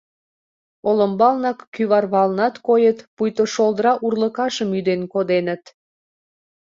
Олымбалнак кӱварвалнат койыт, пуйто шолдыра урлыкашым ӱден коденыт.